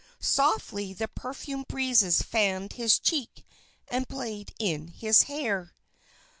Softly the perfumed breezes fanned his cheek, and played in his hair.